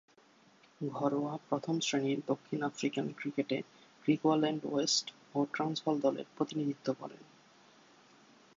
ঘরোয়া প্রথম-শ্রেণীর দক্ষিণ আফ্রিকান ক্রিকেটে গ্রিকুয়াল্যান্ড ওয়েস্ট ও ট্রান্সভাল দলের প্রতিনিধিত্ব করেন।